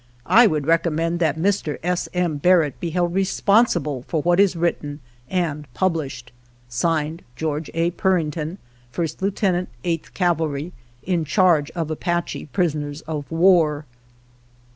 I would recommend that Mr. S. M. Barrett be held responsible for what is written and published. (Signed) Geo. A. Purington, 1st. Lieut. 8th Cavalry, In Charge of Apache prisoners of war.